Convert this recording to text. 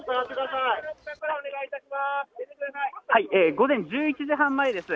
午前１１時半前です。